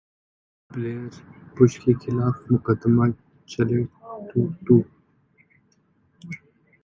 Blair, Bush के खिलाफ मुकदमा चले: टूटू